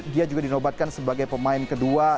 dia juga dinobatkan sebagai pemain kedua